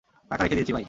টাকা রেখে দিয়েছি, বাই।